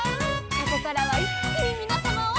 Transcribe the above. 「ここからはいっきにみなさまを」